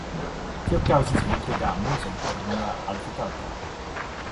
Tio kaŭzis multe da amuzo por nia advokato!